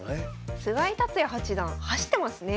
菅井竜也八段走ってますね。